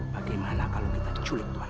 bagaimana kalau kita culik tuhan